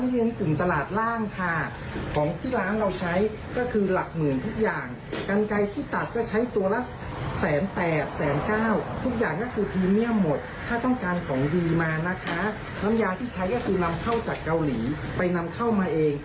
ยาที่ใช้ก็คือนำเข้าจากเกาหลีไปนำเข้ามาเอง